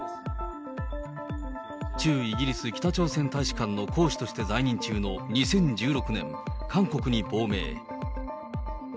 駐イギリス北朝鮮大使館の公使として在任中の２０１６年、韓国に亡命。